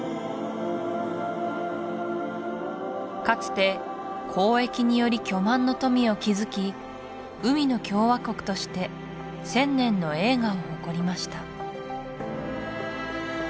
かつて交易により巨万の富を築き海の共和国として１０００年の栄華を誇りました